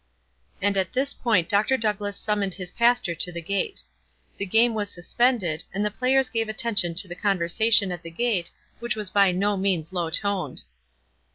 And at this point Dr. Douglass Mimmoned his pastor to the gate. The game was suspei and the players gave attention to the conversa tion at the gate, which was by no means low toned.